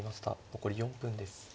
残り４分です。